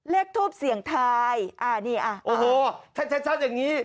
เลขทูปเสียงไทยโอ้โหชัดอย่างนี้